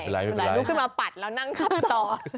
ลุกขึ้นมาปัดแล้วนั่งขับต่อ